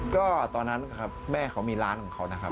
ก็ตอนนั้นครับแม่เขามีร้านของเขานะครับ